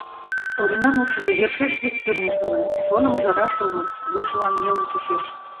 Оринан ушыжо йӧршеш вес тӱрлын шона, шонымыжо раш огыл, вуйжылан нелын чучеш...